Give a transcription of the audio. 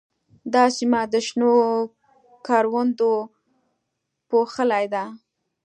دا سیمه د شنو کروندو پوښلې ده.